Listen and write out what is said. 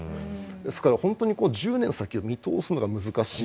ですから本当に１０年先を見通すのが難しい。